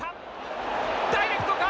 ダイレクトか！？